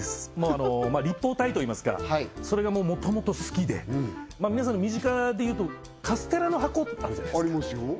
あの立方体といいますかそれがもともと好きで皆さんの身近でいうとカステラの箱あるじゃないですかありますよ